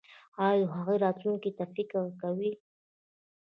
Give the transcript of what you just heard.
ایا د هغوی راتلونکي ته فکر کوئ؟